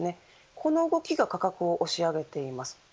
この動きが価格を押し上げています。